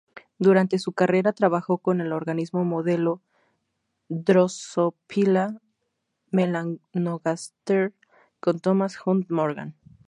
Durante su carrera trabajó con el organismo modelo "Drosophila melanogaster" con Thomas Hunt Morgan.